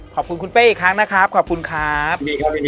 ขอบคุณคุณเป้อีกครั้งนะครับขอบคุณครับ